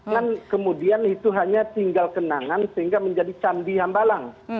dan kemudian itu hanya tinggal kenangan sehingga menjadi candi hambalang